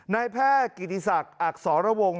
นายแพทย์กิติศักดิ์อักษรวงศ